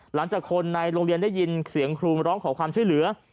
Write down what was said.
หลังจากคนในโรงเรียนได้ยินเสียงครูมาร้องขอความช่วยเหลือ